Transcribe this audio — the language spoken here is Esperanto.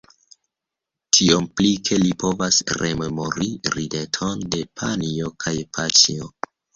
Tiom pli, ke li povas rememori rideton de panjo kaj paĉjo.